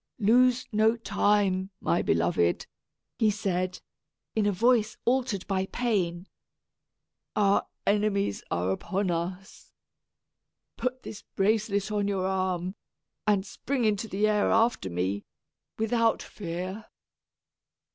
"Lose no time, my beloved!" he said, in a voice altered by pain. "Our enemies are upon us. Put this bracelet on your arm, and spring into the air after me, without fear."